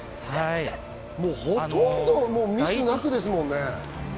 ほとんどミスなくですもんね。